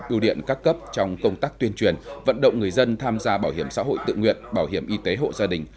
ưu điện các cấp trong công tác tuyên truyền vận động người dân tham gia bảo hiểm xã hội tự nguyện bảo hiểm y tế hộ gia đình